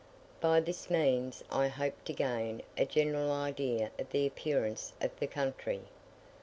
By this means I hoped to gain a general idea of the appearance of the country.